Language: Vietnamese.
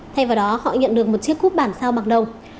thay vào đó họ nhận được một chiếc cúp bản sao mặc đồng